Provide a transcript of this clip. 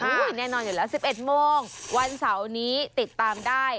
แน่นอนอยู่แล้ว๑๑โมงวันเสาร์นี้ติดตามได้